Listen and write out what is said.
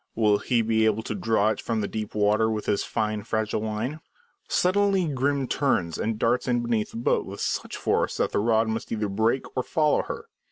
Will he be able to draw it from the deep water with his fine, fragile line? Suddenly Grim turns and darts in beneath the boat with such force that the rod must either break or follow her.